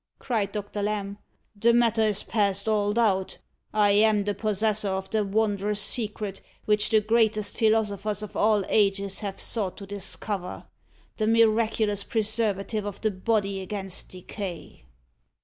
cried Doctor Lamb. "The matter is past all doubt. I am the possessor of the wondrous secret, which the greatest philosophers of all ages have sought to discover the miraculous preservative of the body against decay."